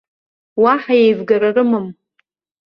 Уаҳа еивгара рымам.